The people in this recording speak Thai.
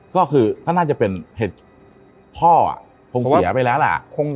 ก็คือก็น่าจะเป็นเหตุพ่อคงเสียไปแล้วล่ะ